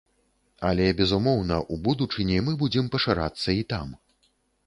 Але, безумоўна, у будучыні мы будзем пашырацца і там.